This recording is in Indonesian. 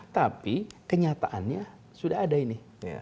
tapi kenyataannya sudah ada ini